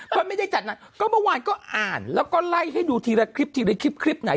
มันไม่ได้จัดไหนก็เมื่อวานก็อ่านแล้วก็ไล่ให้ดูทีละคลิปทีละคลิปคลิปไหน